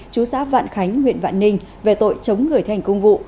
chú xã vạn khánh nguyễn vạn ninh về tội chống người thành công vụ